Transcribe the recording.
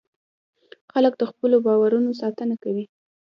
خلک د خپلو باورونو ساتنه کوي.